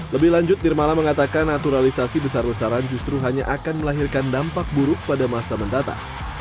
lebih lanjut nirmala mengatakan naturalisasi besar besaran justru hanya akan melahirkan dampak buruk pada masa mendatang